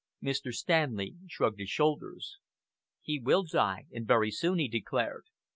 Mr. Stanley shrugged his shoulders. "He will die, and very soon," he declared.